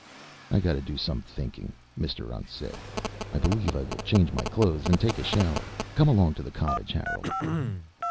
"I got to do some thinking," Mr. Untz said. "I believe I will change my clothes and take a shower. Come along to the cottage, Harold."